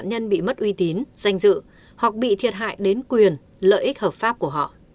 nhân bị mất uy tín danh dự hoặc bị thiệt hại đến quyền lợi ích hợp pháp của họ